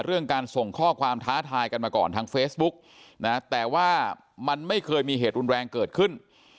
เรื่องการส่งข้อความท้าทายกันมาก่อนทางเฟซบุ๊กนะแต่ว่ามันไม่เคยมีเหตุรุนแรงเกิดขึ้น